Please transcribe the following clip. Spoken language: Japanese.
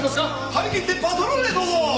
張り切ってパトロールへどうぞ！